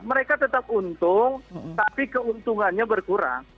mereka tetap untung tapi keuntungannya berkurang